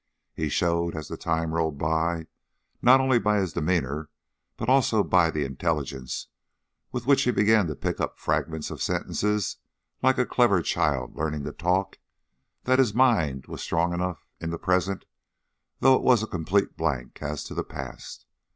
He showed, as the time rolled by, not only by his demeanour, but also by the intelligence with which he began to pick up fragments of sentences, like a clever child learning to talk, that his mind was strong enough in the present, though it was a complete blank as to the past.